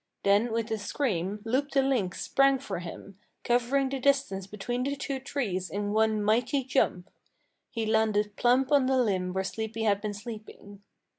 Then with a scream Loup the Lynx sprang for him, covering the distance between the two trees in one mighty jump. He landed plump on the limb where Sleepy had been sleeping.